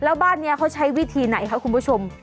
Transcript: แล้วบ้านนี้เขาใช้วิธีไหนคะคุณผู้ชม